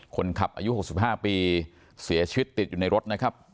คนขับอายุ๖๕ปีเสียชีวิตติดอยู่ในรถนะครับ